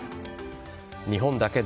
日本だけで